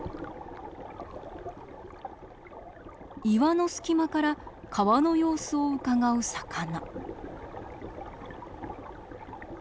岩の隙間から川の様子をうかがう魚。